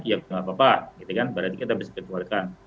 ya nggak apa apa berarti kita bisa kecualikan